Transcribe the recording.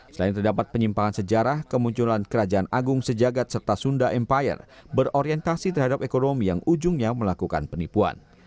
selain terdapat penyimpangan sejarah kemunculan kerajaan agung sejagat serta sunda empire berorientasi terhadap ekonomi yang ujungnya melakukan penipuan